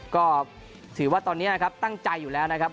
ก็ถือว่าตอนนี้นะครับตั้งใจอยู่แล้วนะครับ